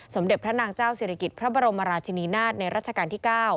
สมเด็จพระนางเจ้าศิริกิจพระบรมราชินีนาฏในรัชกาลที่๙